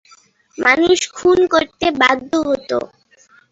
মানুষ খুন করতে বাধ্য হত।